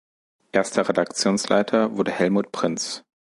Erster Redaktionsleiter wurde Hellmut Prinz.